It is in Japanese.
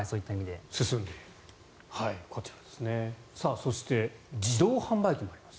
そして、自動販売機もあります。